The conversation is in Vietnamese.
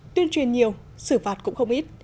tuyên truyền nhiều xử phạt cũng không ít